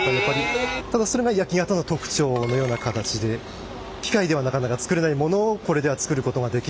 ただそれが焼型の特徴のような形で機械ではなかなか作れないものをこれでは作ることができるっていう。